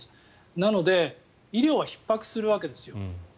なので、医療はひっ迫するわけですよ。